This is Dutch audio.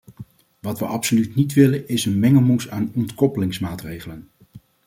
Wat we absoluut niet willen is een mengelmoes aan ontkoppelingsmaatregelen.